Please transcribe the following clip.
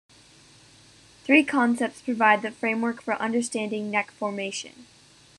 Three concepts provide the framework for understanding neck formation.